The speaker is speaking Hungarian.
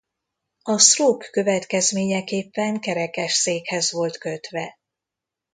A stroke következményeképpen kerekesszékhez volt kötve.